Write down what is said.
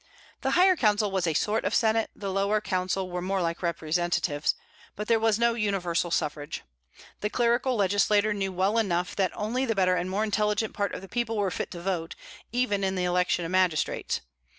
The higher council was a sort of Senate, the lower council were more like Representatives. But there was no universal suffrage. The clerical legislator knew well enough that only the better and more intelligent part of the people were fit to vote, even in the election of magistrates.